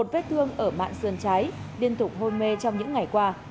một vết thương ở mạng sườn trái điên tục hôi mê trong những ngày qua